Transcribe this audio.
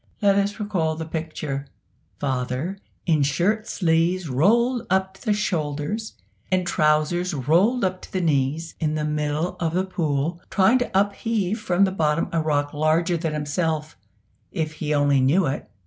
Let us recall the picture: Father, in shirt sleeves rolled up to the shoulders, and trousers rolled up to the knees, in the middle of the pool, trying to upheave from the bottom a rock larger than himself if he only knew it!